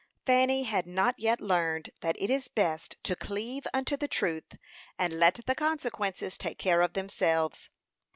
Fanny had not yet learned that it is best to cleave unto the truth, and let the consequences take care of themselves.